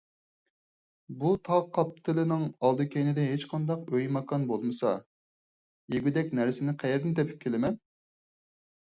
بۇ تاغ قاپتىلىنىڭ ئالدى - كەينىدە ھېچقانداق ئۆي - ماكان بولمىسا، يېگۈدەك نەرسىنى قەيەردىن تېپىپ كېلىمەن؟